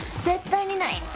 絶対にない。